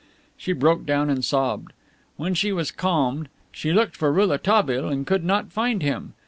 She broke down and sobbed. When she was calmed, she looked for Rouletabille, and could not find him.